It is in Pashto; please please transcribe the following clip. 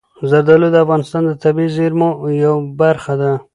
زردالو د افغانستان د طبیعي زیرمو یوه برخه ده.